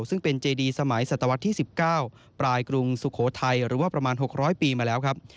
ซึ่งเป็นเจดีสมัยศตวรรษที่๑๙ปลายกรุงสุโขทัยหรือว่าประมาณ๖๐๐ปีมาแล้วครับ